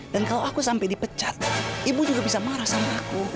dan kalau aku sampai dipecat ibu juga bisa marah sama aku